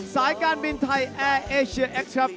สายการบินไทยแอร์เอเชียแอคชับ